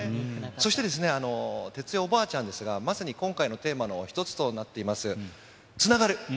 そしてですね、哲代おばあちゃんですが、まさに今回のテーマの一つとなっています、つながる。